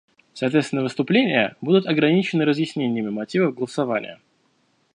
Соответственно, выступления будут ограничены разъяснениями мотивов голосования.